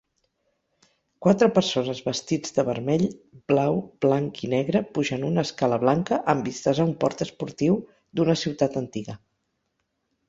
Quatre persones vestits de vermell, blau, blanc i negre pujant una escala blanca amb vistes a un port esportiu d'una ciutat antiga